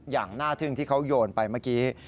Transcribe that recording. อย่างน่าทึ่งที่เขาโยนไปเมื่อกี้